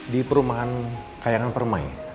di perumahan kayangan permai